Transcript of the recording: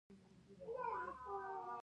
منفي په لغت کښي کمولو ته وايي.